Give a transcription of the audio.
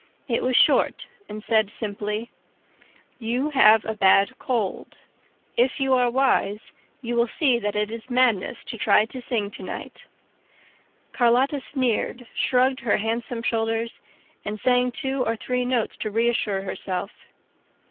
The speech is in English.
It was short and said simply: You have a bad cold. If you are wise, you will see that it is madness to try to sing to night. Carlotta sneered, shrugged her handsome shoulders and sang two or three notes to reassure herself.